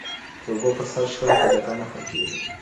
د اوبو پر سر شخړي په جګړه نه حل کیږي.